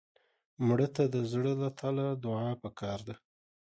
مړه ته د زړه له تله دعا پکار ده